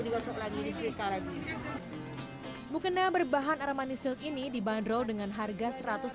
dikosong lagi di silika lagi bukena berbahan armani silk ini dibanderol dengan harga satu ratus lima puluh tujuh